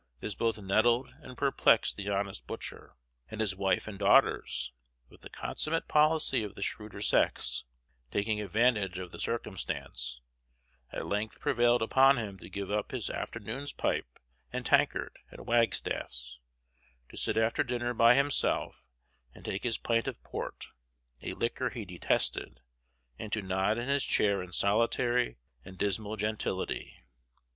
This both nettled and perplexed the honest butcher; and his wife and daughters, with the consummate policy of the shrewder sex, taking advantage of the circumstance, at length prevailed upon him to give up his afternoon's pipe and tankard at Wagstaff's, to sit after dinner by himself and take his pint of port a liquor he detested and to nod in his chair in solitary and dismal gentility.